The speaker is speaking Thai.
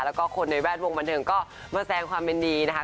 แล้วก็คนในแวดวงบันเทิงก็มาแสงความเป็นดีนะคะ